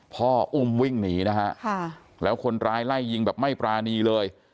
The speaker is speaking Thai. พ่ออุ้มวิ่งหนีนะฮะแล้วคนร้ายไล่ยิงแบบไม่ปรานีเลย